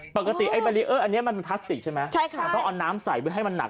ปกติเบรียร์อันนี้มันพลาสติกใช่ไหมต้องเอาน้ำใส่ให้มันหนัก